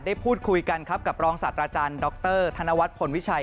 ได้พูดคุยกับรองศาตราอาจารย์ดรธพลวิชัย